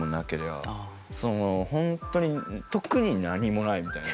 本当に特に何もないみたいな。